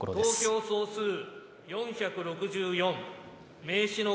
投票総数４６４。